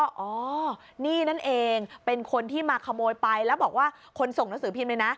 อ๋อนี่นั่นเองเป็นคนที่มาขโมยไปแล้วบอกว่าคนส่งหนังสือพิมพ์เลยนะ